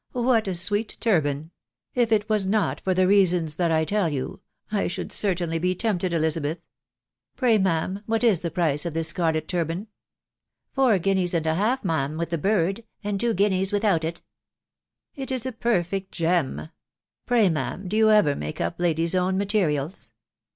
What a sweet turban !.... If it was not for the reasons that I tell you, I should certainly be tempted, Eli zabeth. Pray, ma'am, what is the price of this scarlet tur ban?" " Four guineas and a half, ma'am, with the bird, and two guineas without it" THE WIDOW BARNJLBY. 149 <c It is a perfect gem ! Pray, ma'am, do you ever make up ladies' own materials?"